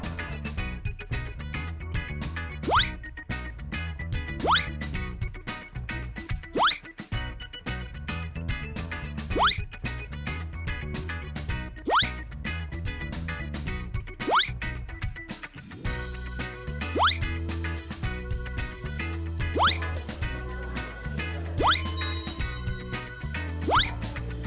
เพราะว่าเครื่องแกงของที่เนี่ยเขาทำเอง